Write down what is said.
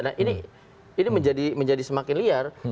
nah ini menjadi semakin liar